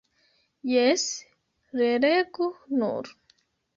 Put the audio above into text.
Jes, relegu nur!